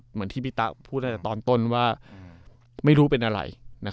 เหมือนที่พี่ตะพูดตั้งแต่ตอนต้นว่าไม่รู้เป็นอะไร